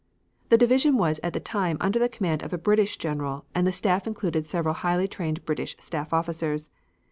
The division was at the time under the command of a British general and the staff included several highly trained British staff officers.